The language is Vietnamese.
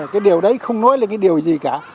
cái điều đấy không nói là cái điều gì cả